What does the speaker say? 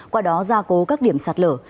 qua đó gia cố các điểm sạt lở